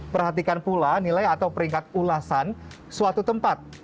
perhatikan pula nilai atau peringkat ulasan suatu tempat